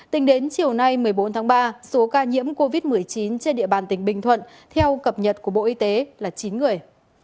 tính đến chiều nay một mươi bốn tháng ba số ca nhiễm covid một mươi chín trên địa bàn tỉnh bình thuận theo cập nhật của bộ y tế là chín người